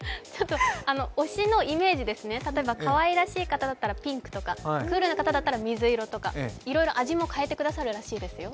推しのイメージですね、例えばかわいらしい方だったらピンクとかクールな方だったら水色とかいろいろ味を変えてくださるそうですよ。